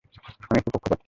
আমি একটু পক্ষপাতী।